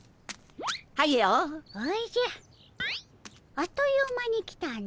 あっという間に来たの。